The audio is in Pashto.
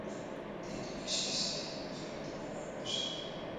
د هندوکش کیسې د خلکو د مېړانې نښه ده.